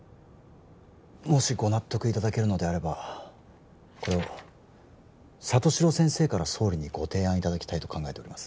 もしご納得いただけるのであればこれを里城先生から総理にご提案いただきたいと考えております